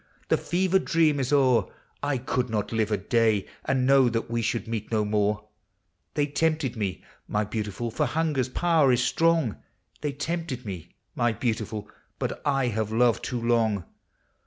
the fevered dream is o'er, —[ could not live a day, and know that we should meet no more ! They tempted me, my beautiful! — for hunger's power is strong, — They tempted me, my beautiful! but I have loved too long.